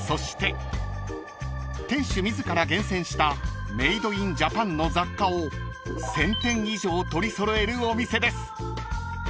［店主自ら厳選したメイドインジャパンの雑貨を１，０００点以上取り揃えるお店です］